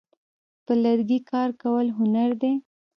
په لرګي کار کول هنر دی.